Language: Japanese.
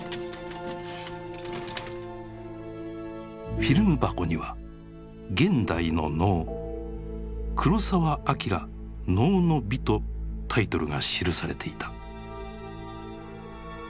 フィルム箱には「現代の能」「黒澤明能の美」とタイトルが記されていた。